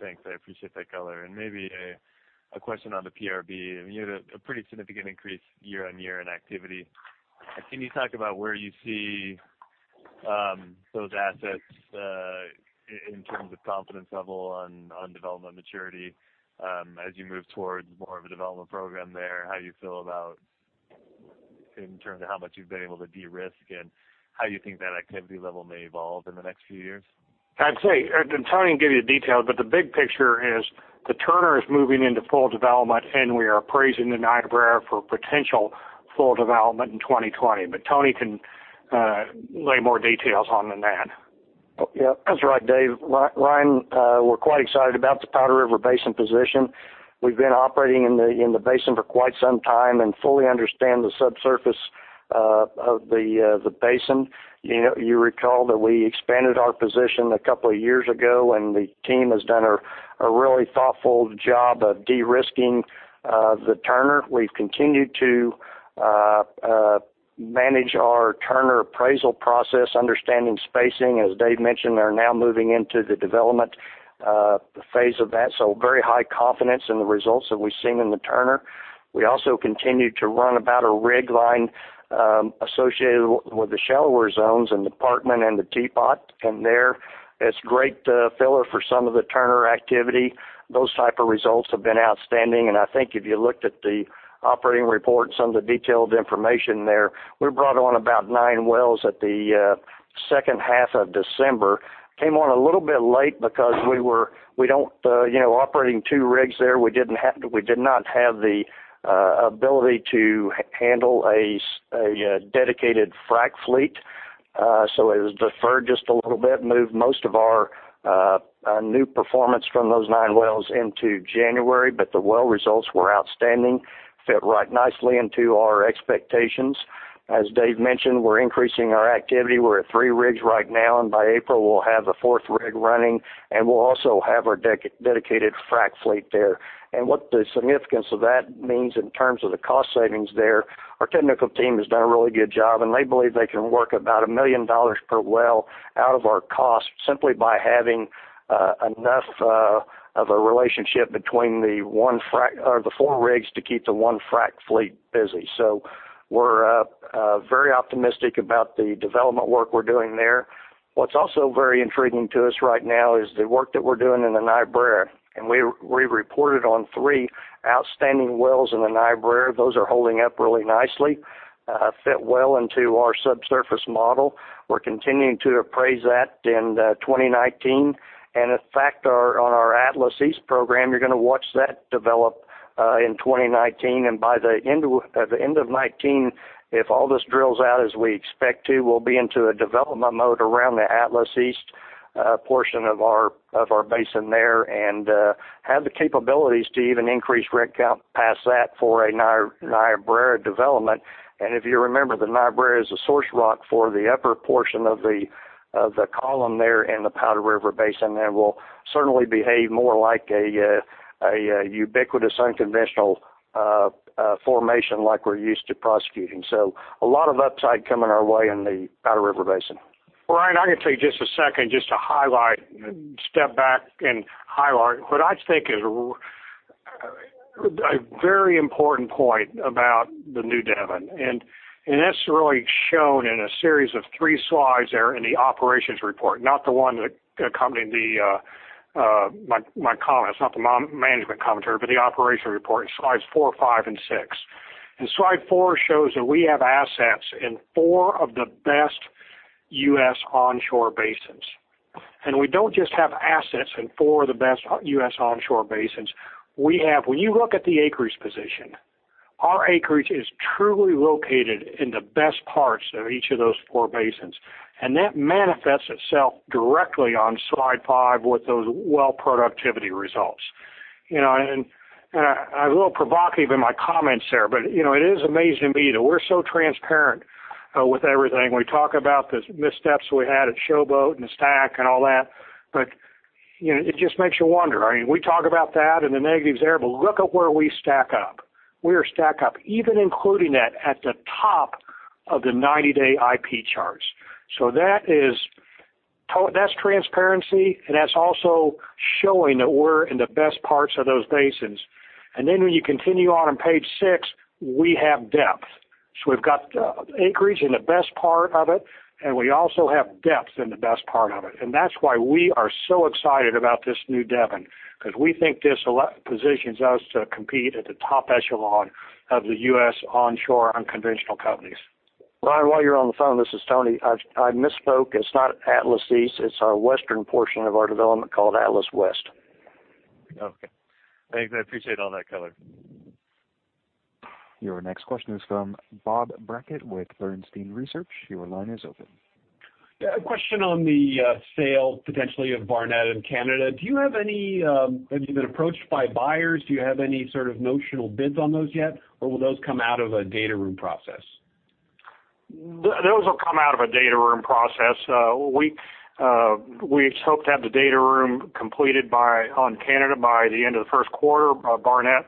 Thanks. I appreciate that color. Maybe a question on the PRB. You had a pretty significant increase year-on-year in activity. Can you talk about where you see those assets in terms of confidence level on development maturity as you move towards more of a development program there? How do you feel about in terms of how much you've been able to de-risk, and how you think that activity level may evolve in the next few years? I'd say, and Tony can give you the details, but the big picture is the Turner is moving into full development, and we are appraising the Niobrara for potential full development in 2020. Tony can lay more details on than that. Yep. That's right, Dave. Ryan, we're quite excited about the Powder River Basin position. We've been operating in the basin for quite some time and fully understand the subsurface of the basin. You recall that we expanded our position a couple of years ago, and the team has done a really thoughtful job of de-risking the Turner. We've continued to manage our Turner appraisal process, understanding spacing. As Dave mentioned, they're now moving into the development phase of that. Very high confidence in the results that we've seen in the Turner. We also continue to run about a rig line associated with the shallower zones in the Parkman and the Teapot. There, it's great filler for some of the Turner activity. Those type of results have been outstanding, and I think if you looked at the operating report and some of the detailed information there, we brought on about nine wells at the second half of December. Came on a little bit late because operating two rigs there, we did not have the ability to handle a dedicated frac fleet. It was deferred just a little bit, moved most of our new performance from those nine wells into January. The well results were outstanding, fit right nicely into our expectations. As Dave mentioned, we're increasing our activity. We're at three rigs right now, and by April, we'll have the fourth rig running, and we'll also have our dedicated frac fleet there. What the significance of that means in terms of the cost savings there, our technical team has done a really good job, and they believe they can work about $1 million per well out of our cost simply by having enough of a relationship between the four rigs to keep the one frac fleet busy. We're very optimistic about the development work we're doing there. What's also very intriguing to us right now is the work that we're doing in the Niobrara, and we reported on three outstanding wells in the Niobrara. Those are holding up really nicely, fit well into our subsurface model. We're continuing to appraise that in 2019. In fact, on our Atlas East program, you're going to watch that develop in 2019, and by the end of 2019, if all this drills out as we expect to, we'll be into a development mode around the Atlas East portion of our basin there, and have the capabilities to even increase rig count past that for a Niobrara development. If you remember, the Niobrara is a source rock for the upper portion of the column there in the Powder River Basin, and will certainly behave more like a ubiquitous unconventional formation like we're used to prosecuting. A lot of upside coming our way in the Powder River Basin. Ryan, I'm going to take just a second just to highlight, step back and highlight what I think is a very important point about the new Devon. That's really shown in a series of three slides there in the Operations Report, not the one that accompanied my comments, not the management commentary, but the Operations Report, slides four, five, and six. Slide four shows that we have assets in four of the best U.S. onshore basins. We don't just have assets in four of the best U.S. onshore basins. When you look at the acreage position, our acreage is truly located in the best parts of each of those four basins. That manifests itself directly on Slide five with those well productivity results. I was a little provocative in my comments there, but it is amazing to me that we're so transparent with everything. We talk about the missteps we had at Showboat and the STACK and all that. It just makes you wonder. I mean, we talk about that and the negatives there, but look at where we stack up. We are stacked up, even including that, at the top of the 90-day IP charts. That's transparency. That's also showing that we're in the best parts of those basins. When you continue on page six, we have depth. So we've got acreage in the best part of it. We also have depth in the best part of it. That's why we are so excited about this new Devon, because we think this positions us to compete at the top echelon of the U.S. onshore unconventional companies. Ryan, while you're on the phone, this is Tony. I misspoke. It's not Atlas East, it's our western portion of our development called Atlas West. Okay. Thanks. I appreciate all that color. Your next question is from Bob Brackett with Bernstein Research. Your line is open. Yeah. A question on the sale potentially of Barnett and Canada. Have you been approached by buyers? Do you have any sort of notional bids on those yet, or will those come out of a data room process? Those will come out of a data room process. We hope to have the data room completed on Canada by the end of the first quarter, Barnett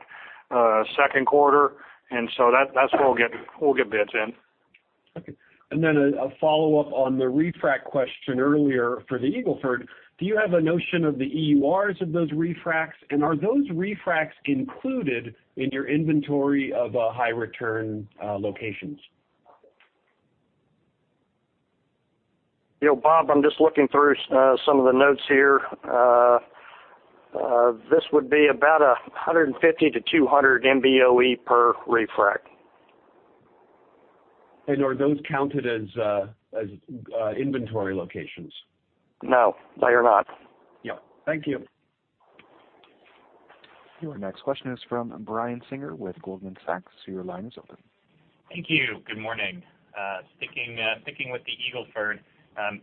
second quarter, that's where we'll get the bids in. Okay. Then a follow-up on the refrac question earlier for the Eagle Ford. Do you have a notion of the EURs of those refracts, and are those refracts included in your inventory of high return locations? Bob, I'm just looking through some of the notes here. This would be about 150-200 MBOE per refrac. Are those counted as inventory locations? No, they are not. Yep. Thank you. Your next question is from Brian Singer with Goldman Sachs. Your line is open. Thank you. Good morning. Sticking with the Eagle Ford,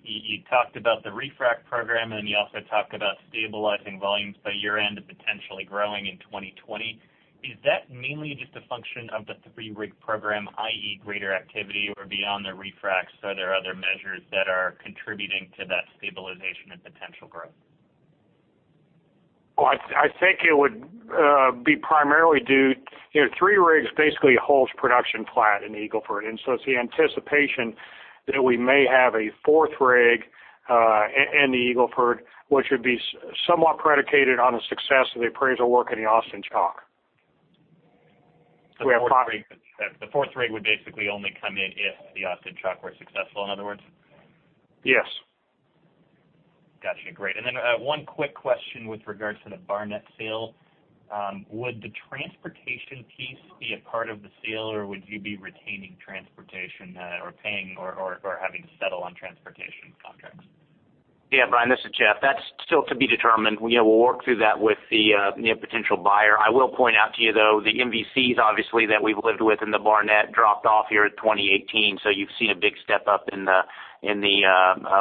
you talked about the refrac program. Then you also talked about stabilizing volumes by year-end and potentially growing in 2020. Is that mainly just a function of the three-rig program, i.e., greater activity or beyond the refracts? Are there other measures that are contributing to that stabilization and potential growth? Well, I think it would be primarily. Three rigs basically holds production flat in Eagle Ford. So it's the anticipation that we may have a fourth rig in the Eagle Ford, which would be somewhat predicated on the success of the appraisal work in the Austin Chalk. The fourth rig would basically only come in if the Austin Chalk were successful, in other words? Yes. Got you. Great. Then one quick question with regards to the Barnett sale. Would the transportation piece be a part of the sale, or would you be retaining transportation or paying or having to settle on transportation contracts? Yeah, Brian, this is Jeff. That's still to be determined. We'll work through that with the potential buyer. I will point out to you, though, the MVCs obviously that we've lived with in the Barnett dropped off here at 2018. You've seen a big step-up in the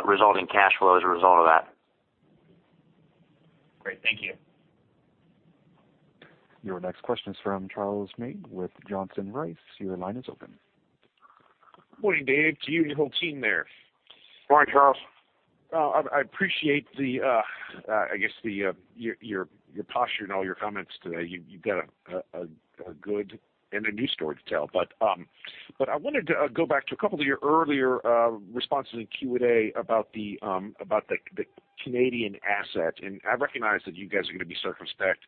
resulting cash flow as a result of that. Great. Thank you. Your next question is from Charles Meade with Johnson Rice. Your line is open. Morning, Dave, to you and your whole team there. Morning, Charles. I appreciate, I guess your posture and all your comments today. You've got a good and a new story to tell. I wanted to go back to a couple of your earlier responses in Q&A about the Canadian asset. I recognize that you guys are going to be circumspect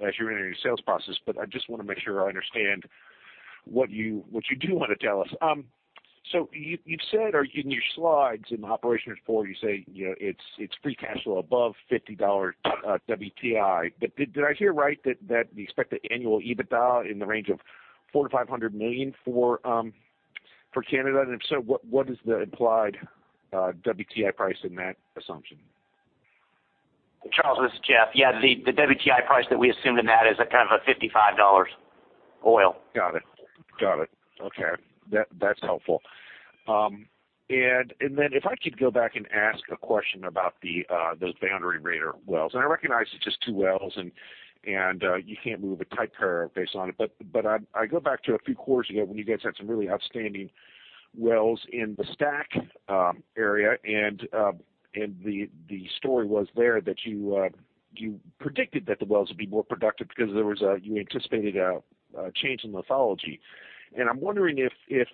as you're entering your sales process, but I just want to make sure I understand what you do want to tell us. You've said, or in your slides in the operations report, you say it's free cash flow above $50 WTI. Did I hear right that the expected annual EBITDA in the range of $400 million-$500 million for Canada? If so, what is the implied WTI price in that assumption? Charles, this is Jeff. The WTI price that we assumed in that is at kind of a $55 oil. Got it. That's helpful. If I could go back and ask a question about those Boundary Raider wells, I recognize it's just two wells, and you can't move a type curve based on it. I go back to a few quarters ago when you guys had some really outstanding wells in the STACK area, and the story was there that you predicted that the wells would be more productive because you anticipated a change in lithology. I'm wondering if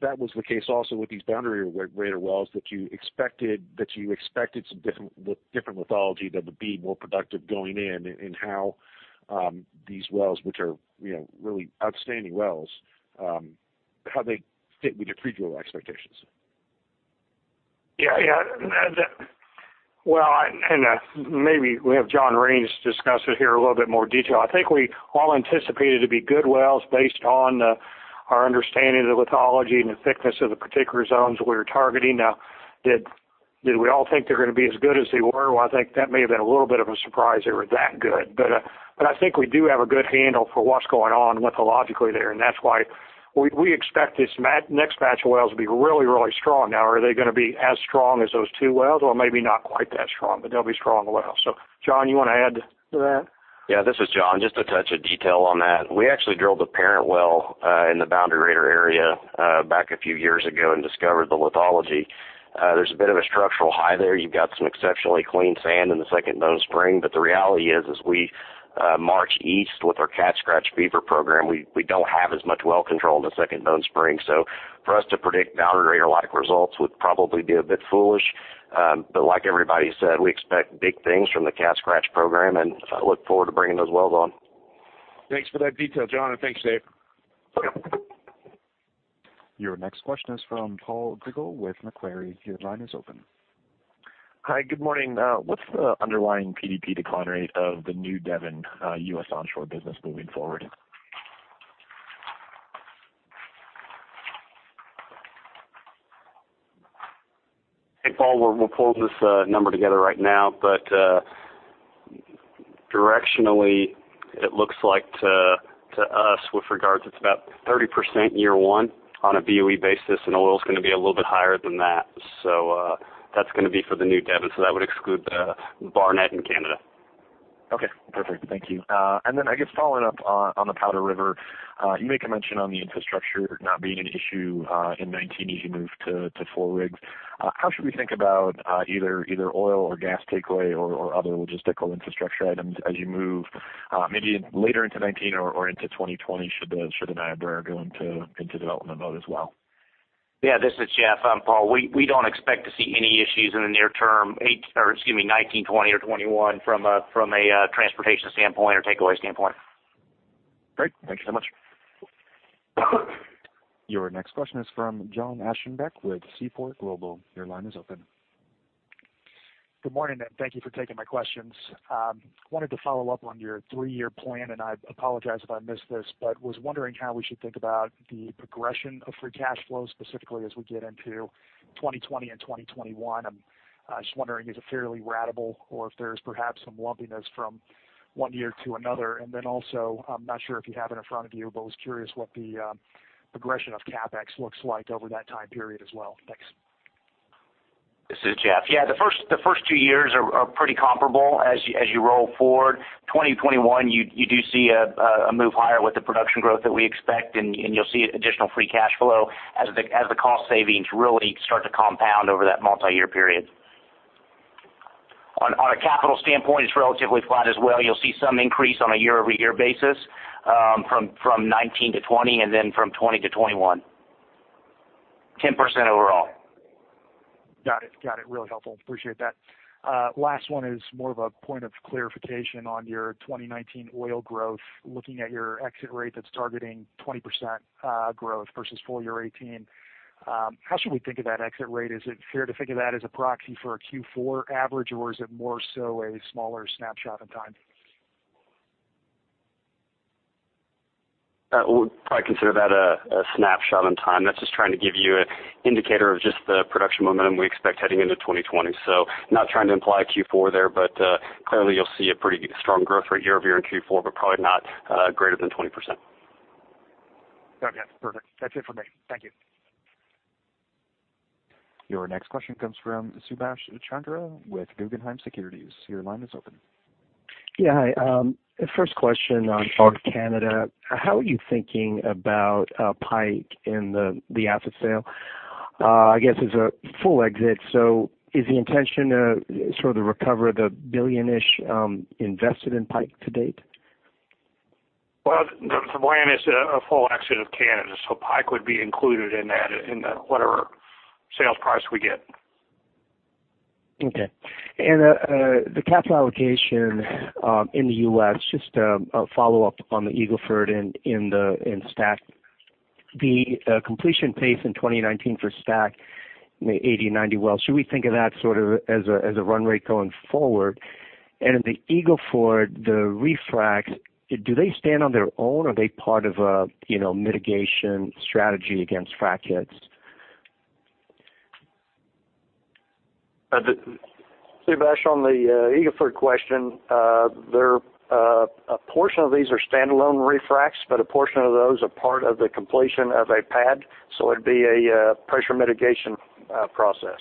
that was the case also with these Boundary Raider wells that you expected some different lithology that would be more productive going in, and how these wells, which are really outstanding wells, how they fit with your pre-drill expectations. Maybe we have John Raines discuss it here a little bit more detail. I think we all anticipated it to be good wells based on our understanding of the lithology and the thickness of the particular zones we were targeting. Did we all think they were going to be as good as they were? I think that may have been a little bit of a surprise they were that good. I think we do have a good handle for what's going on lithologically there, and that's why we expect this next batch of wells to be really strong. Are they going to be as strong as those two wells? Maybe not quite that strong, but they'll be strong wells. John, you want to add to that? This is John. Just a touch of detail on that. We actually drilled the parent well in the Boundary Raider area back a few years ago and discovered the lithology. There's a bit of a structural high there. You've got some exceptionally clean sand in the second Bone Spring, but the reality is, as we march east with our Cat Scratch Fever Program, we don't have as much well control in the second Bone Spring. For us to predict Boundary Raider-like results would probably be a bit foolish. Like everybody said, we expect big things from the Cat Scratch Program, and I look forward to bringing those wells on. Thanks for that detail, John, and thanks, Dave. Yep. Your next question is from Paul Diggle with Macquarie. Your line is open. Hi, good morning. What's the underlying PDP decline rate of the new Devon U.S. onshore business moving forward? Hey, Paul, we're pulling this number together right now, but directionally, it looks like to us with regards, it's about 30% year one on a BOE basis, and oil's going to be a little bit higher than that. That's going to be for the new Devon, so that would exclude the Barnett in Canada. Okay, perfect. Thank you. I guess following up on the Powder River Basin, you make a mention on the infrastructure not being an issue in 2019 as you move to four rigs. How should we think about either oil or gas takeaway or other logistical infrastructure items as you move maybe later into 2019 or into 2020 should the Niobrara go into development mode as well? Yeah, this is Jeff. Paul, we don't expect to see any issues in the near term, 2019, 2020, or 2021 from a transportation standpoint or takeaway standpoint. Great. Thank you so much. Your next question is from John Ashenbeck with Seaport Global. Your line is open. Good morning, and thank you for taking my questions. Wanted to follow up on your three-year plan. I apologize if I missed this, but was wondering how we should think about the progression of free cash flow specifically as we get into 2020 and 2021. I'm just wondering, is it fairly ratable or if there's perhaps some lumpiness from one year to another? I'm not sure if you have it in front of you, but was curious what the progression of CapEx looks like over that time period as well. Thanks. This is Jeff. The first two years are pretty comparable as you roll forward. 2021, you do see a move higher with the production growth that we expect. You'll see additional free cash flow as the cost savings really start to compound over that multi-year period. On a capital standpoint, it's relatively flat as well. You'll see some increase on a year-over-year basis from 2019 to 2020, from 2020 to 2021. 10% overall. Got it. Got it. Really helpful. Appreciate that. Last one is more of a point of clarification on your 2019 oil growth. Looking at your exit rate that's targeting 20% growth versus full year 2018. How should we think of that exit rate? Is it fair to think of that as a proxy for a Q4 average, or is it more so a smaller snapshot in time? We would probably consider that a snapshot in time. That's just trying to give you an indicator of just the production momentum we expect heading into 2020. Not trying to imply Q4 there, but clearly you'll see a pretty strong growth rate year-over-year in Q4, but probably not greater than 20%. Got it. Perfect. That's it for me. Thank you. Your next question comes from Subash Chandra with Guggenheim Securities. Your line is open. Yeah, hi. First question on Canada. How are you thinking about Pike in the asset sale? I guess it's a full exit. Is the intention to sort of recover the billion-ish invested in Pike to date? Well, the plan is a full exit of Canada, Pike would be included in that, in whatever sales price we get. Okay. The capital allocation in the U.S., just a follow-up on the Eagle Ford and STACK. The completion pace in 2019 for STACK, the 80, 90 wells, should we think of that sort of as a run rate going forward? In the Eagle Ford, the refracs, do they stand on their own? Are they part of a mitigation strategy against frac hits? Subash, on the Eagle Ford question, a portion of these are standalone refracs, but a portion of those are part of the completion of a pad, so it'd be a pressure mitigation process.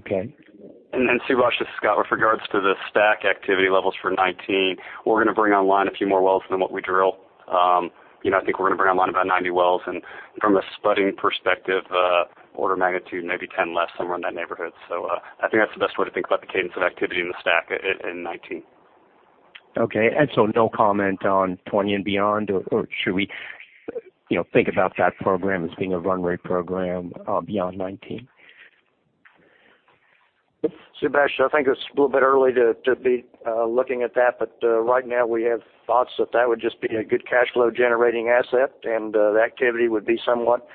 Okay. Then Subash, this is Scott. With regards to the STACK activity levels for 2019, we're going to bring online a few more wells than what we drill. I think we're going to bring online about 90 wells, and from a spudding perspective, order of magnitude, maybe 10 less, somewhere in that neighborhood. I think that's the best way to think about the cadence of activity in the STACK in 2019. Okay, no comment on 2020 and beyond, or should we think about that program as being a run rate program beyond 2019? Subash, I think it's a little bit early to be looking at that. Right now we have thoughts that that would just be a good cash flow generating asset and the activity would be somewhat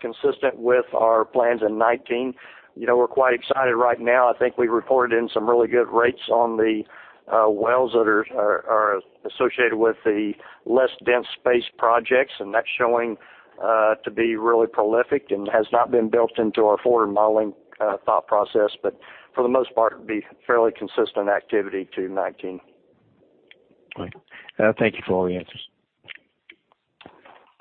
consistent with our plans in 2019. We're quite excited right now. I think we reported in some really good rates on the wells that are associated with the less dense space projects, and that's showing to be really prolific and has not been built into our forward modeling thought process. For the most part, it'd be fairly consistent activity to 2019. Thank you. Thank you for all the answers.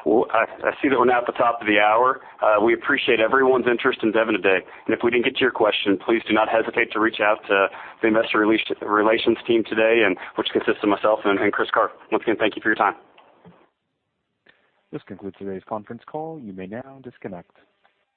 Well, I see that we're now at the top of the hour. We appreciate everyone's interest in Devon today. If we didn't get to your question, please do not hesitate to reach out to the investor relations team today, which consists of myself and Chris Carr. Once again, thank you for your time. This concludes today's conference call. You may now disconnect.